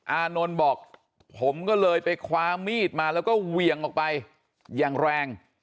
อานนท์บอกผมก็เลยไปคว้ามีดมาแล้วก็เหวี่ยงออกไปอย่างแรง